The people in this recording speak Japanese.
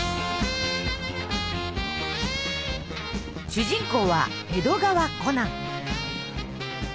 主人公は江戸川コナン。